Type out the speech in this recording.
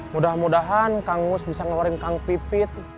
mudah mudahan kang mus bisa ngeluarin kang pipit